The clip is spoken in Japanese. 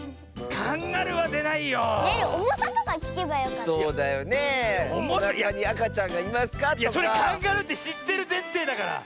カンガルーってしってるぜんていだから！